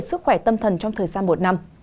sức khỏe tâm thần trong thời gian một năm